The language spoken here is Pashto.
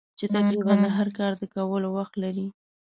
چې تقریباً د هر کار د کولو وخت لرې.